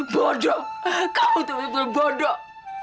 bodoh kamu betul betul bodoh